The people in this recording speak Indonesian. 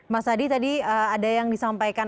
mas adi tadi ada yang disampaikan